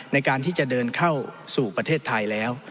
ในการที่จะเดินเข้าสู่ประเทศไทยแล้ว